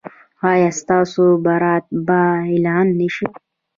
ایا ستاسو برات به اعلان نه شي؟